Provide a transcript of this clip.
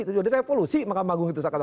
itu juga direvolusi makam agung itu